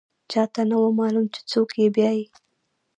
چا نه و معلوم چې څوک یې بیايي.